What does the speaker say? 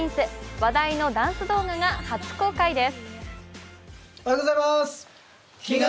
話題のダンス動画が初公開です。